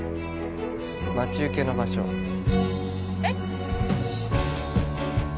待ち受けの場所☎えっ？